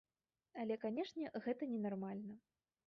Але канешне гэта ненармальна.